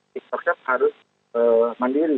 tiktok top harus mandiri